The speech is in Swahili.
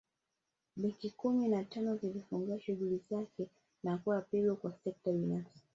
Benki kumi na tano zilifunga shughuli zake na kuwa pigo kwa sekta binafsi